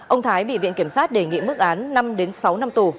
ông thái bị viện kiểm sát đề nghị mức án năm đến sáu năm tù